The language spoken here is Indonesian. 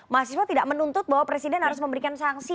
mahasiswa tidak menuntut bahwa presiden harus memberikan sanksi